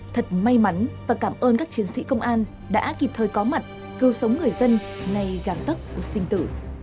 thật may mắn và cảm ơn các chiến sĩ công an đã kịp thời có mặt cưu sống người dân ngay gàng tấp của sinh tử